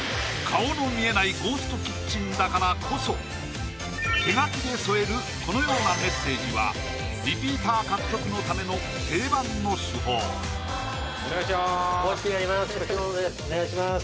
顔の見えないゴーストキッチンだからこそ手書きで添えるこのようなメッセージはリピーター獲得のための定番の手法お願いします